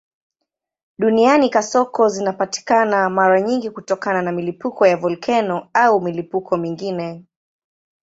Duniani kasoko zinapatikana mara nyingi kutokana na milipuko ya volkeno au milipuko mingine.